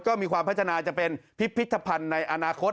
ก็มีความพัฒนาจะเป็นพิพิธภัณฑ์ในอนาคต